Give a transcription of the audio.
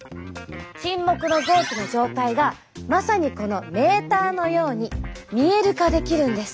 沈黙の臓器の状態がまさにこのメーターのように見える化できるんです。